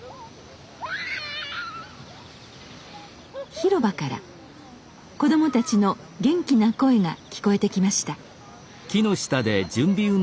広場から子供たちの元気な声が聞こえてきました。